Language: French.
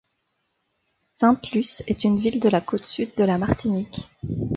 Sainte-Luce est une ville de la côte Sud de la Martinique.